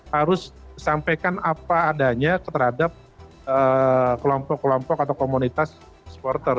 harus sampaikan apa adanya terhadap kelompok kelompok atau komunitas supporter